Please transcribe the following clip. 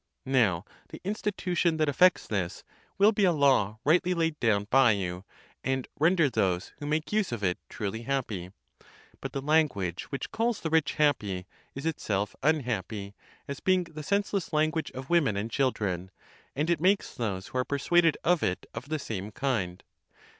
Now the institution, that effects this, will be a law rightly laid down by you, and render those, who make use of it, truly happy. But the language, which calls the rich happy, is itself unhappy, as being the senseless language of women and children; and it makes those who are persuaded of it of the same kind.!